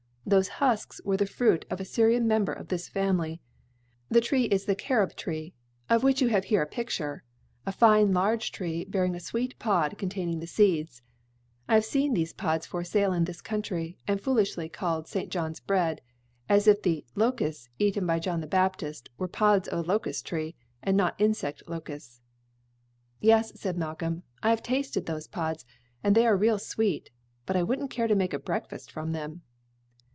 Those 'husks' were the fruit of a Syrian member of this family. The tree is the carob tree, of which you have here a picture a fine large tree bearing a sweet pod containing the seeds. I have seen these pods for sale in this country, and foolishly called St. John's bread, as if the 'locusts' eaten by John the Baptist were pods of a locust tree, and not insect locusts." "Yes," said Malcolm, "I have tasted those pods, and they are real sweet; but I wouldn't care to make a breakfast from them."